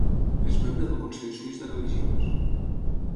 És membre del Consell Suís de Religions.